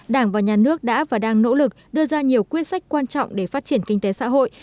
đảng và nhà nước đã và đang nỗ lực đưa ra nhiều quyết sách quan trọng để phát triển kinh tế xã hội